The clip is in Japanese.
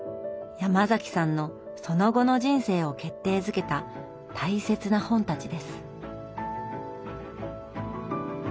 ヤマザキさんのその後の人生を決定づけた大切な本たちです。